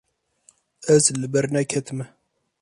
Ez li ber neketime.